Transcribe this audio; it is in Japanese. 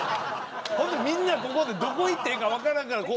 ほんでみんなここでどこ行ってええか分からんから。